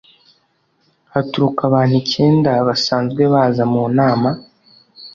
haturuka abantu icyenda basanzwe baza mu nama